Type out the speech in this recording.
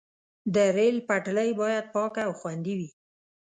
د ریل پټلۍ باید پاکه او خوندي وي.